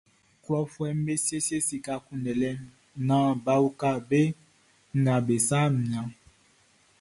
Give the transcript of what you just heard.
Klɔfuɛʼm be siesie sika kunndɛlɛ naan bʼa uka be nga be sa mianʼn.